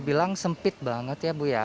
bilang sempit banget ya bu ya